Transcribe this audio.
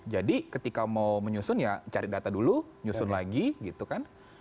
jadi ketika mau menyusun ya cari data dulu nyusun lagi gitu kan